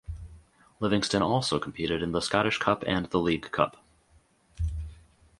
Livingston also competed in the Scottish Cup and the League Cup.